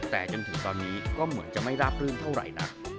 แต่จนถึงตอนนี้ก็เหมือนจะไม่ราบรื่นเท่าไหร่นัก